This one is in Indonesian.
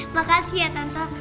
makasih ya tante